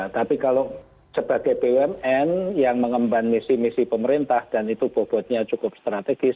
tapi kalau sebagai bumn yang mengemban misi misi pemerintah dan itu bobotnya cukup strategis